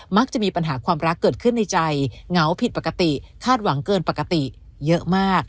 มักจะมีปัญหาความรักเกิดขึ้นในใจเหงาผิดปกติคาดหวังเกินปกติเยอะมาก